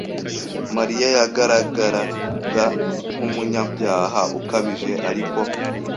Mariya yagaragaraga nk'umunyabyaha ukabije ariko